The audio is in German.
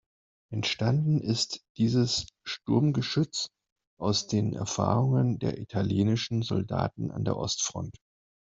Entstanden ist dieses Sturmgeschütz aus den Erfahrungen der italienischen Soldaten an der Ostfront.